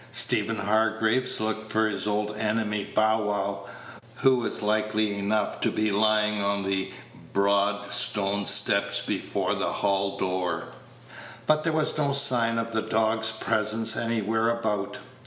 Stephen Hargraves looked for his old enemy Bow wow, who was likely enough to be lying on the broad stone steps before the hall door; but there was no sign of the dog's presence anywhere about.